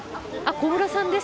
小室さんです。